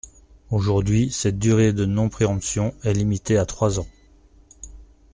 Aujourd’hui, cette durée de non-préemption est limitée à trois ans.